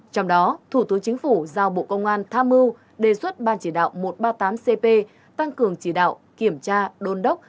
trong đó thủ tướng chính phủ giao bộ công an tham mưu đề xuất ban chỉ đạo một trăm ba mươi tám cp tăng cường chỉ đạo kiểm tra đôn đốc